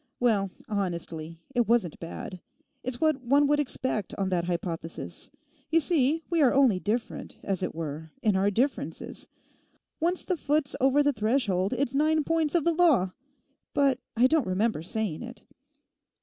well, honestly, it wasn't bad; it's what one would expect on that hypothesis. You see, we are only different, as it were, in our differences. Once the foot's over the threshold, it's nine points of the law! But I don't remember saying it.